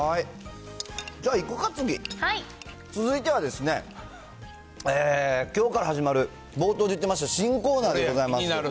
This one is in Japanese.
じゃあ、いこか、続いてはですね、きょうから始まる、冒頭で言ってました新コーナーでございます。